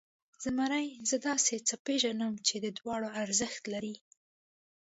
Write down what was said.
زمري، زه داسې څه پېژنم چې د دواړو ارزښت لري.